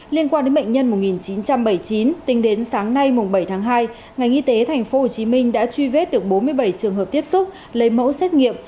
liên quan đến bệnh nhân một nghìn chín trăm bảy mươi chín tính đến sáng nay bảy tháng hai ngành y tế tp hcm đã truy vết được bốn mươi bảy trường hợp tiếp xúc lấy mẫu xét nghiệm